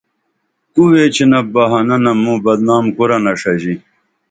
کو ویچینپ بھانہ نم موں بدنام کورنہ ݜژی